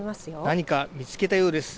何か見つけたようです。